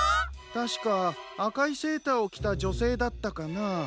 たしかあかいセーターをきたじょせいだったかな。